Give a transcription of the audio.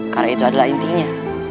karena itu adalah intinya